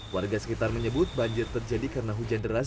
warga sekitar menyebut banjir terjadi karena hujan deras